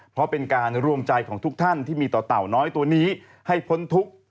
เพราะเป็นการรวมใจของทุกท่านที่มีต่อเต่าน้อยตัวนี้ให้พ้นทุกข์